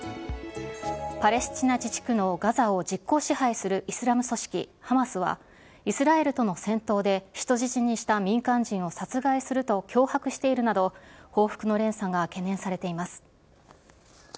パレスチナ自治区のガザを実効支配するイスラム組織ハマスは、イスラエルとの戦闘で人質にした民間人を殺害すると脅迫しているなど、報復の連鎖が懸念されています。